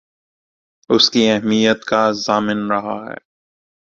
اس کی اہمیت کا ضامن رہا ہے